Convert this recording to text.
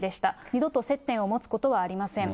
二度と接点を持つことはありません。